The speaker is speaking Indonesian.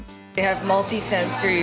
mereka memiliki ruang multisensori